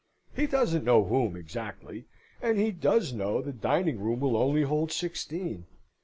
He doesn't know whom exactly; and he does know the dining room will only hold sixteen.